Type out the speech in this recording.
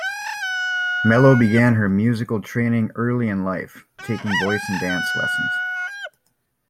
Mello began her musical training early in life, taking voice and dance lessons.